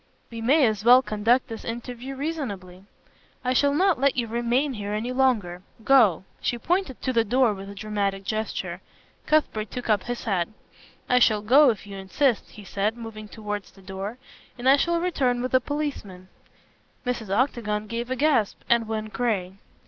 "We may as well conduct this interview reasonably." "I shall not let you remain here any longer. Go." She pointed to the door with a dramatic gesture. Cuthbert took up his hat. "I shall go if you insist," he said, moving towards the door, "and I shall return with a policeman." Mrs. Octagon gave a gasp and went gray.